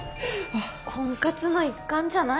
婚活の一環じゃないの？